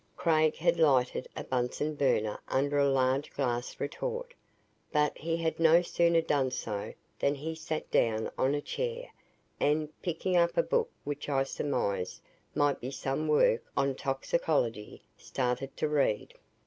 Craig had lighted a Bunsen burner under a large glass retort. But he had no sooner done so than he sat down on a chair and, picking up a book which I surmised might be some work on toxicology, started to read.